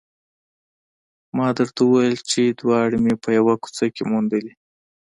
ما درته وویل چې دواړه مې په یوه کوڅه کې موندلي